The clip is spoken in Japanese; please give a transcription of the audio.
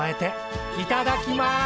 いただきます！